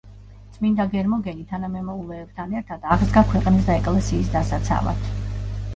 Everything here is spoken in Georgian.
წმინდა გერმოგენი თანამემამულეებთან ერთად აღსდგა ქვეყნის და ეკლესიის დასაცავად.